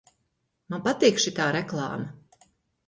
Man patīk šitā reklāma!